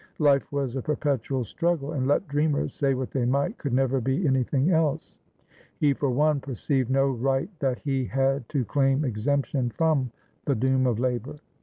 Life was a perpetual struggle, and, let dreamers say what they might, could never be anything else; he, for one, perceived no right that he had to claim exemption from the doom of labour.